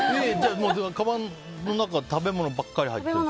かばんの中食べ物ばっかり入ってる？